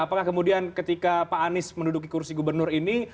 apakah kemudian ketika pak anies menduduki kursi gubernur ini